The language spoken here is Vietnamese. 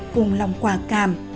cùng lòng quả cảm